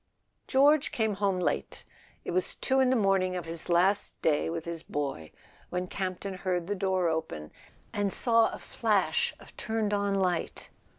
George came home late. It was two in the morning of his last day with his boy when Campton heard the door open, and saw a flash of turned on light.